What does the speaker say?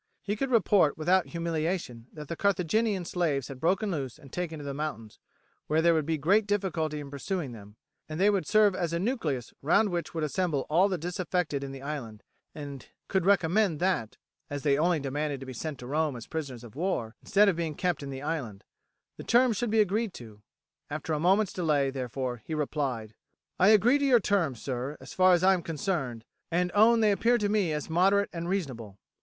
He could report without humiliation that the Carthaginian slaves had broken loose and taken to the mountains, where there would be great difficulty in pursuing them, and they would serve as a nucleus round which would assemble all the disaffected in the island; and could recommend that, as they only demanded to be sent to Rome as prisoners of war, instead of being kept in the island, the terms should be agreed to. After a moment's delay, therefore, he replied: "I agree to your terms, sir, as far as I am concerned, and own they appear to me as moderate and reasonable.